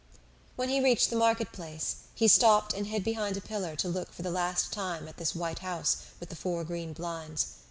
When he reached the market place, he stopped and hid behind a pillar to look for the last time at this white house with the four green blinds.